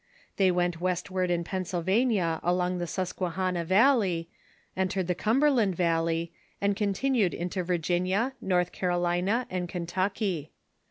They went westward in Pennsylvania along the Susquehanna valley, entered the Cumberland valley, and continued into Virginia, North Carolina, and Kentucky.